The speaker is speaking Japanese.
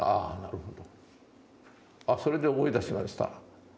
ああそれで思い出しました。